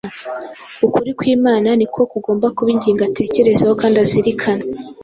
Ukuri kw’Imana ni ko kugomba kuba ingingo atekerezaho kandi azirikana.